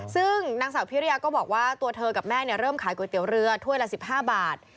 ซึ่งนางสาวพิริยาก็บอกว่าตัวเธอกับแม่เริ่มขายก๋วยเตี๋ยวเรือถ้วยละ๑๕บาท